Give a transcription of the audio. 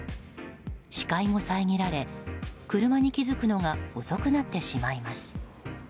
視界も遮られ、車に気付くのが遅くなってしまいます。